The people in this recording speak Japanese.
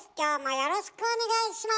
よろしくお願いします。